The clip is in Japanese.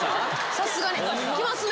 さすがに来ますね。